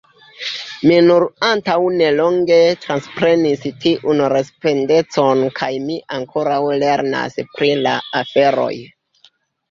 Mi nur antaŭ nelonge transprenis tiun respondecon kaj mi ankoraŭ lernas pri la aferoj.